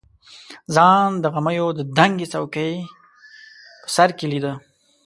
ځان د غمیو د دنګې څوکې په سر کې لیده.